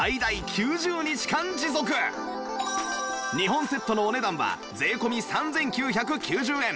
２本セットのお値段は税込３９９０円